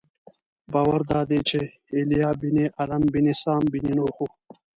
باور دادی چې ایلیا بن ارم بن سام بن نوح و.